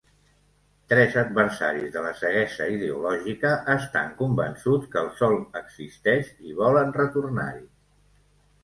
Tres adversaris de la ceguesa ideològica estan convençuts que el Sol existeix i volen retornar-hi.